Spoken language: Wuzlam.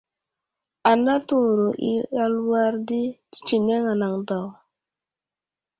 Ana təwuro i aluwar di tətsineŋ anaŋ daw.